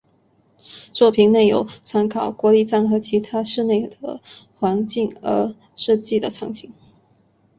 作品内也有参考国立站和其他市内的环境而设计的场景。